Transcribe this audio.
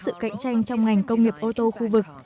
sự cạnh tranh trong ngành công nghiệp ô tô khu vực